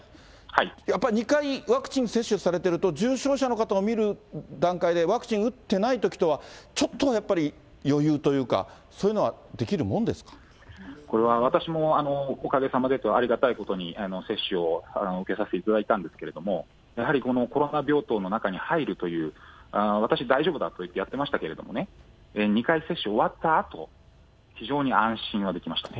やっぱり２回、ワクチン接種されてると、重症者の方を診る段階で、ワクチン打ってないときとは、ちょっとはやっぱり、余裕というか、これは私も、おかげさまでというか、ありがたいことに、接種を受けさせていただいたんですけれども、やはりこのコロナ病棟の中に入るという、私、大丈夫だとやってましたけれどもね、２回接種終わったあと、非常に安心はできました。